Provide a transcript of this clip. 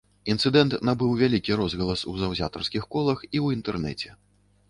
Інцыдэнт набыў вялікі розгалас у заўзятарскіх колах і ў інтэрнэце.